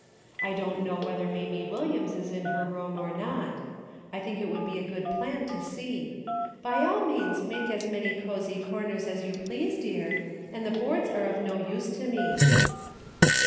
I don't know whether Mamie AVilliams is in her room or not. I think it would be a good plan to see. By all means make as many cozy corners as you please, dear, and the boards are of no use to me."